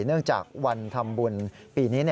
เนื่องจากวันทำบุญปีนี้